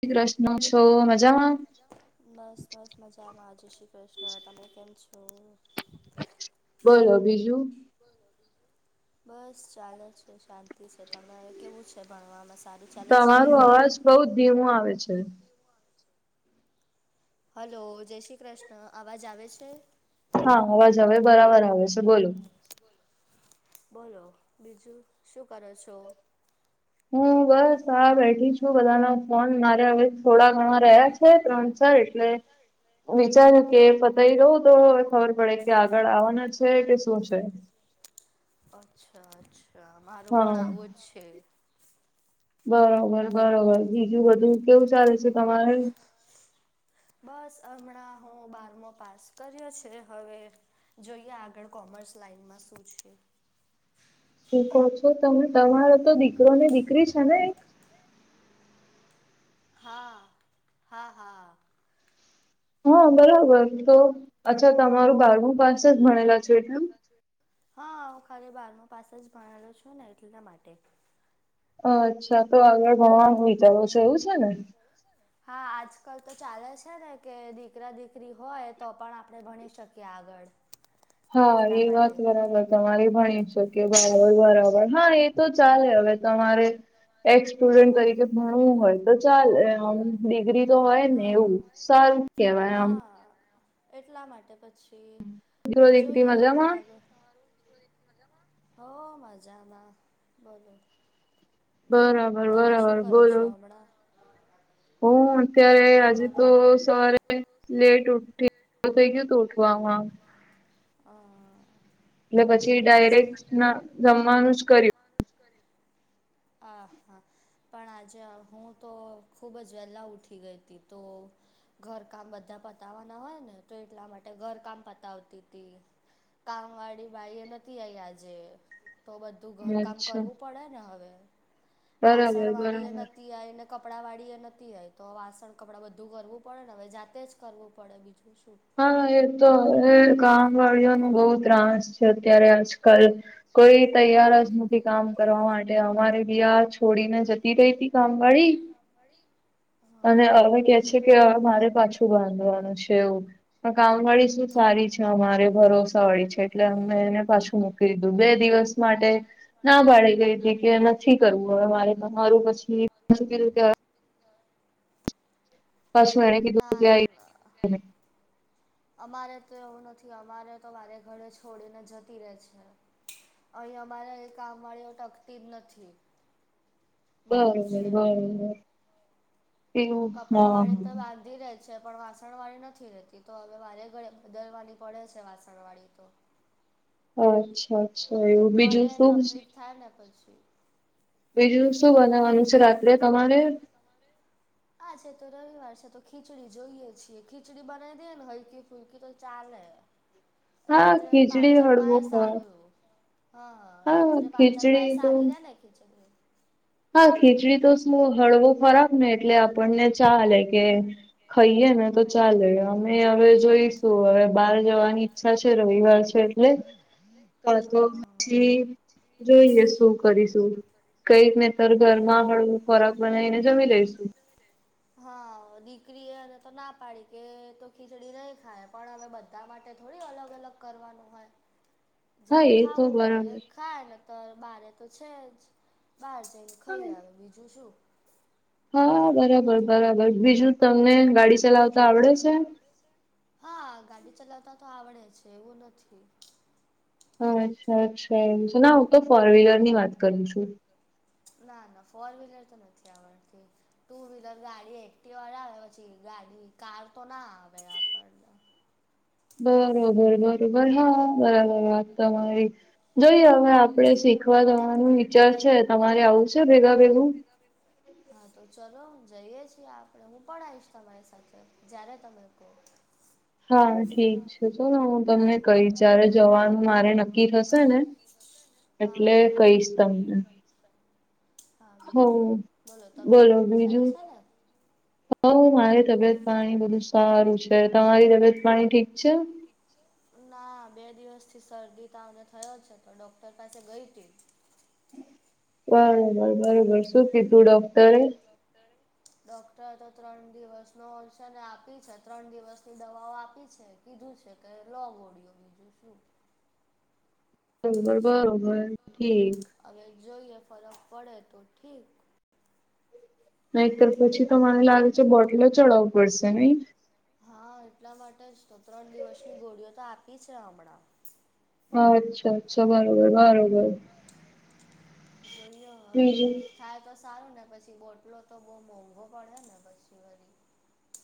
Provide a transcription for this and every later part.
કેમ છો? મજા મા? બસ બસ મજામાં, જય શ્રી કૃષ્ણ તમે કેમ છો? બોલો બીજું? બસ ચાલે છે. શાંતિ છે. તમારે કેવું છે ભણવામા? તમાર અવાજ બઉ ધીમો આવે છે. હલો જય શ્રી કૃષ્ણ અવાજ આવે છે. હા અવાજ આવે બરાબર આવે છે, બોલો બોલો બીજું શું કરો છો. હું બસ આા બેઠી છું બધાના ફોન મારે હવે થોડા ઘણા રહ્યા છે. છે, ત્રણ ચ એટલે વિચાર્યું કે પતાય રહઉું તો ખબર પડે કે આગળ આવવાના છે કે શું છે. અચ્છા અચ્છા મારો પણ આવું જ છે. બરોબર બરોબર બીજું બધું કેવું ચાલે છે તમારે બસ હમણાં હું બારમો પાસ કર્યો છે, હવે જોઈએ આગળ કોમર્સ લાાઈનમાં શું છે. શ કહો છો તમે તમારો તો દીકરો ને દીકરી છેને, એ હા હા હા હા બરાબર તો અચ્છા તમારું બારમું પાસે જ ભણેલા છ, એટલે હા હું ખાલી બારમ પાસે જ ભણેલો છું ને એટલા માટે અચ્છા તો આગળ ભણવાનું વિચારો છો એવું છેને હા આજકાલ તો ચાલે છે ને કે દીકરા દીકરી હોય તો પણ આપણે ભણી શકીએ આગળ હા એ વાત બરાબર તમારે ભણી શકે બરાબર બરાબર હા, એ તો ચાલે હવે તમારે એક સ્ટુડન્ટ તરીકે ભણવું હોય, તો ચાલે આમ ડિગ્રી તો હોય ને એવું સારું કેવાય આમ એટલા માટે પછી જોઈએ હવે આગળ હો મજામાં બોલો બરાબર બરાબર બોલો હ અત્યારે આજે તો સરે લેટ ઉઠી થઇ ગયુ તો ઉઠવામાં હા એટલે પછી ડાયરેક્ટ ના જમવાનું જ કર્યુ હ હા પણ આજે હું તો ખૂબ જ વહેલા ઉઊઠી ગઈ હતી, તો ઘર કામ બધા પતાવવાના હોય ને તો એટલા માટે ઘર કામ પતાવતી હતી. કામ વાળી ભાઈ એ નથી આઈ આજે તો બધું ઘર કામ કરવું પડે ને હવે વાસણવાળી એ નથી. આવીય ને કપડાં વાળી એ નથી આય તો વાસણ કપડાં બધું કરવું પડે ને હવે જાતે જ કરવું પડે બીજું શુ હા એ તો હવે ગામવાડીઓ ન બહુ ત્રાસ છે. અત્યારે આજકાલ કોઈ તૈયાર જ નથી કામ કરવા માટે અમારે બી આ થોડીને જતી રહી ત કામ વાળી અને હવે કે મારે પાછું બાંધવાનું છે. એવું કામ વાળી શું સારી છે અમારે ભરોસા વાળી છે. એટલે અમે એને પાછું મૂકી દીધું બે દિવસ માટે ના પાળી ગઈ હતી કે એી કરવું હોય મારે મારું પછી મુશકે રીતે પાશુવાણે ના અમારે તો એવું નથી અમારે તો મારે ઘરે છોડીને જતી રહે છે. અહી અમારા એ કામ વાળી ટકતી જ નથી. બબ બબ એવું હા હા વધી ર છે પણ વાસણ વાળી નથી રહેતી તો હવે વારે ઘરે બદલવાની પડે છે વાસણ વાળી તો અચ્છા મને તો પ્લીટ થાયને પછ બીજું શું બનાવવાનું છે, રાત્રે તમારે હા છે તો રવિવાર છે તો ખીચડી જોઈએ છીએ ખીચડી બનાવી દે ને હલકી ફૂલકી તો ચાલે [inaudible] રાત્રે પાચનમાં એ સારું હા હા રાત્રે પાચન વા એ સારી રે ને ખીચડી હા ખીચડી તો શું હળવો ખોરાક ને એટલે આપણને ચાલે કે ખાઈએ ને તો ચાલે અમે હવે જોઈશું હવે બહાર જવાની ઈચ્છા છે રવિવાર છે એટલે હા તો પછી જોઈએ શું કરીશું કઈકને સર ઘરમાં આપણું ખોરાક બનાવીને જમી લઈશું હા દીકરી એ એને તો ના પાડી કે તો ખીચડી નહી ખાય પણ હવે બધા માટે થોડી અલગ અલગ કરવાનું હોય. [inaudible] જેને ખાવું હોય ખાયને તો બારે તો છે જ બહાર જઈને ખાઈ આવે બીજું શું હા બરાબર બરાબર બીજું તમને ગાડી ચલાવતા આવડે છે હા ગાડી ચલાવતા તો આવડે છે એવું નથી અચ્છા અચ્છા જનાવો ના ના ફોર વ્હીલર તો નથી આવડતી ટુ વ્હીલર ગાડી એક્ટીવા આવે પછી ગાડી કાર તો ના આવે બરોબર બરોબર હા બરાબર વાત તમારી જોઈએ હવે આપડે શીખવા જવાનું વિચાર છે તમારે આવુંશે ભેગા ભેગું હા તો ચલો જઈએ છીએ આપડે હું પણ આઈશ તમારી સાથે જય્યારે તમે કો હા ઠીક છે શુંને હું તમને કઈશ જયારે જવાનું મારે નક્કી થશે ને એટલે કહીશ તમને હા બીજું બોલો તબિયત પાણી સારી છે ને હ મારી તબિયત પાણી બધું સારું છે તમારી તબિયત પાણી ઠીક છે ના બે દિવસ થી શરદી તાવ અને થયો છે તો ડોક્ટર પાસે ગઈ હતી બરોબર બરોબર શું કીધું ડોક્ટરે ડોક્ટર ડૉક્ટરે તો ત્રણ દિવસનો ઓલ્શન આપી છે ત્રણ દિવસની દવાઓ આપી છે. કીધું છે કે લોંગ ઓડિયો બીજું શું બરોબર બરોબર ઠીક હવે જોઈએ ફરક પડે તો ઠીક નહીં તર પછી તો મને લાગે છે બોટલો ચડાવ હા એટલા માટે જ તો ત્રણ દિવસની ગોળીઓ તો આપી છે હમણાં અચ્છા અચ્છા બરોબર બરોબર. જોઈઓ હવે ઠીક છે. થાય તો સારું ને પછી બોટલો તો બહુ મોંઘો પડે ને પછી વરી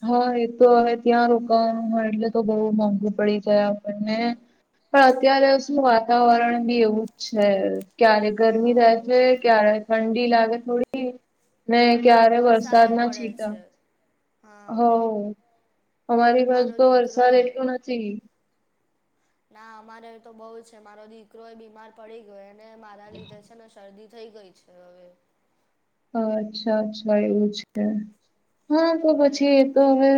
હા એ તો હવે ત્યાં રોકાવાનું હોય એટલે તો બહુ મોંઘુ પડી જાય આપણને પણ અત્યારે શું વાતાવરણ બી એવું જ છે ક્યારે ગરમી રહે છે ક્યારે ઠંડી લાગે થોડી ને ક્યારે વરસાદ ના છીતા હવ અમારી બાજુ તો વરસાદ એટલો નથી. ના અમારે તો બઉુ છે મારો દીકરો એ બીમાર પડી ગયો એને મારા લીધે છે ને શરદી થઈ ગઈ. છ અવે. અચ્છા-અચ્છા એવું છે. હા તો પછી. હવે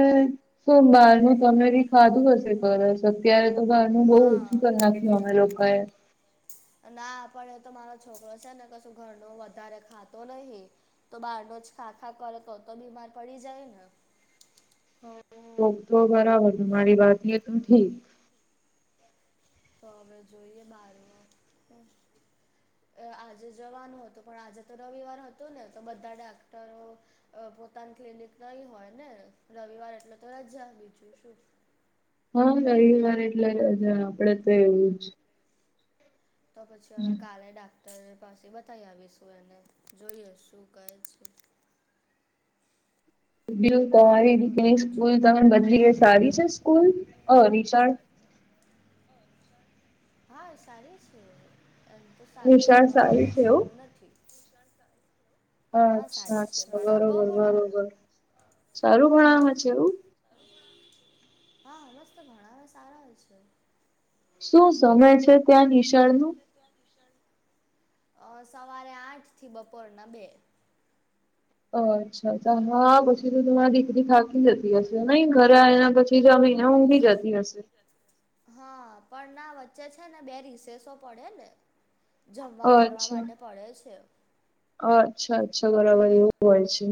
સોમવાર નું તમે બી ખાધું હશે બાર જ અત્યારે તો બારનું બહુ ઓછું કરી નાખ્યું અમે લોકોએ ના પાડે તો મારો છોકરો છે ને કશું ઘરનો વધારે ખાતો નહી. તો બહારનો જ ખા ખા કરે તો તો બીમાર પડી જાય ને. તો બરાબર મારી વાત [unintelligible] તો હવે જોઈએ બારનું આજે જવાનું હતું પણ આજે તો રવિવાર હતું ને તો બધા ડાક્ટરો અ પોતાની ક્લિનિક નહી હોય ને રવિવાર એટલે તો રજા બીજું શું. હા રવિવાર એટલે આપડે તો એવું જ. તો પછી હવે કાલે ડાક્ટર પાસે બતાવી આવીશું એને જોઈએ શું કહે છે. દીવ તમારી દીકરીની સ્કૂલ તમે બદલી એ સારી છે સ્કૂલ અ નિશાળ. હા સારી છે એમ. તો સારી છે ભણાવે છે એવું નથી. હા સારી જ છે ભણ બહુ ભણાવ એમ. સારું ભણાવવામા છે એવું. હા મસ્ત ભણાવે સારા હ છે. શું સમય છે ત્યાં નિશાળનું. અ સવારે આઠથી બપોરના બે. ઓ અચ્છા હા. તોતો તમારી દીકરી થાકી જતી હશે નઇ ઘરે આયા પછી જમી ને મઊંઘી જતી હશે. હા પણ ના વચ્ચે છે ને બે રીસેસો પડે ને. જમવા કરવા માટે પડે છે. અચ્છા અચ્છા બરાબર એવું હોય છે.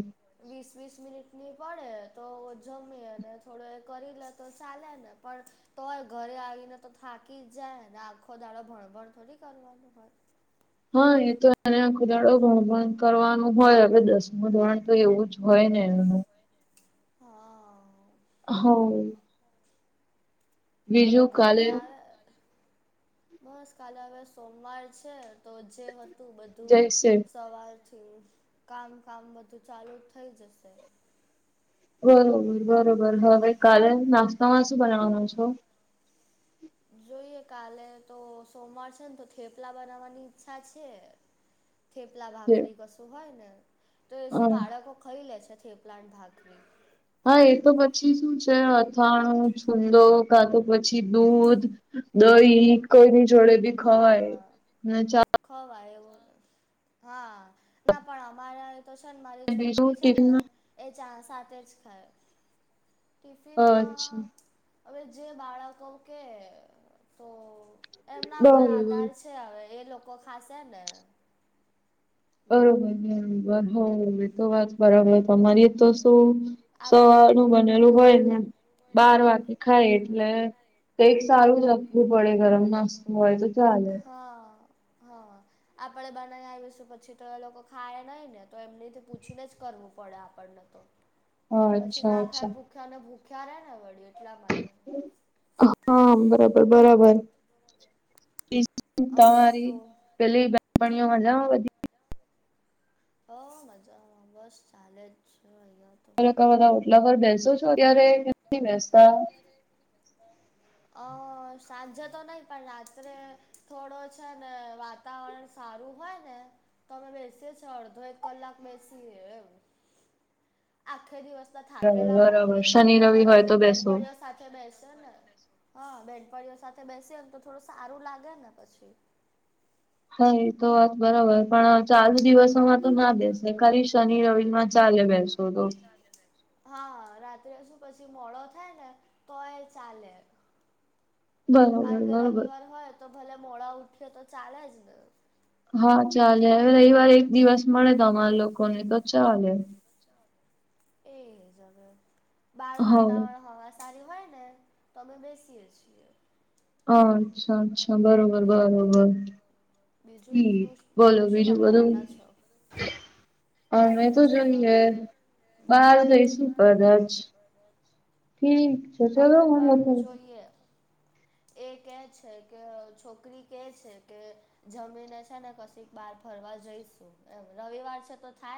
વીસ વીસ મિનિટની પડે તો જમી અને થોડો એ કરી લે તો ચાલે ને પણ તોય ઘરે આવીને તો થાકી જ જાય ને આંખો દાડો ભણભણ થોડી કરવાનું હોય. હા એ તો એને આખુદાળો ગણભણ કરવાનું હોય હવે દસ મ ધોરણ તો એવું જ હોય ને એનું. હા. હવ. તો ઘરે આવે. બસ કાલે હવે સોમવાર છે તો જે હતું બધું સવાજ તો કામ કામ બધું ચાલુ થઈ જશે. બરોબર બરોબર હવે કાલે નાસ્તામાં શું બનાવાનું છો? જોઈએ કાલે તો સોમવાર છે ને તો થેપલા બનાવવાની ઈચ્છા છે. થેપલા, ભાખરી કશું હોય ને તો એ શું બાળકો ખઈ લે છે થેપલા અને ભાખરી. હા એ તો પછી શું છે, અથાણું, છૂંદો કા તો પછી દૂધ દહી કોઈ ની જોડે બી ખવાય, ને ચા ખવાય એવું, હા, ના પણ અમારા તો છે ને મારી છોકરી છે ને એ ચા સાથે જ ખાય. ટિફિનમાં હવે જે બાળકો કે તો એમના પર આધાર છે હવે એ લોકો ખાસે ને. [unintelligible] એ તો વાત બરોબર તમારી તો શું સવારનું લું હોય ને બાર વાકી ખાય એટલે કઈક સારું જ ખૂબ પડે ગરમ નાસ્ત હોય તો. હા-હા. આપણેે બનાવી આવીશું પછી તો એ લોકો ખાય નહી ને તો એમનીથી પૂછીને જ કરવું પડે, આપણને તો [inaudible] પછી ના ખાય ભૂખ્યાને ભૂખ્યા રે ને વળી એટલા માટે, હા બરાબર બરાબર. તમારી પેલી બેનણીઓ મજામા બધી. હોવ મજામાં બસ ચાલે જ. તમે લોકો બધા ઓટલા વાર બેસો છો અત્યારે કે નથી બેસતા. અજય. [inaudible] અ સાંજે તો નહી પણ રાત્રે થોડો છે, ને વાત વાતાવરણ સારું હોય, ને તો અમે બેસીએ છો અડધો એક કલાક બેસી એ આખે દિવસ ના થાકેલા હોયએ તો પછી બેનપડીઓ સાથે બેસે ને, હા બેડફળીઓ સાથે બેસી ને તો થોડું સારું લાગે ને પછી. [unintelligible] તો વાત બરોબર પણ ચાલુ દિવસોમાં તો ના બેસે ખાલી શનિ રવિ માં ચાલે બેસો તો, હા રાત્રે શું પછી મોડો થાય ને તો એ ચાલે, કારણ કે રવિવાર હોય તો ભલે મોડા ઉઠીએ તો ચાલે જ ને, હા, ચાલે હવે રવિવાર એક દિવસ મળે તો અરા લોકોને તો ચાલે, એ જ હવે બાર વાતાવરણ હવા સારી હોય ને તો અમે બેસીએ છીએ, હા, અચ્છા અચ્છા બરોબર બરોબર બરોબર ઠીક બોલો બીજું બધું. અમે તો જોઈએ, બાર જઈ શું કદાચ ઠીક અમે પણ જોઈએ, એ કે છે કે છોકરી કે છે કે જમીને છે ને કશી બહાર ફરવા જઈશું, એમ રવિવાર છે તો થાય